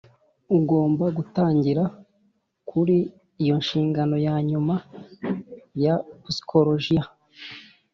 ugomba gutangira kuri iyo nshingano ya nyuma ya psychologiya.